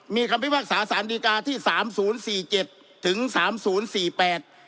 มีคำพิพากษาสารดีกาที่สามศูนย์สี่เจ็ดถึงสามศูนย์สี่แปด